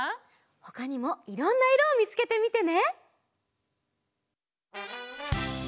ほかにもいろんないろをみつけてみてね！